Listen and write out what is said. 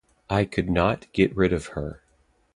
I could not get rid of her.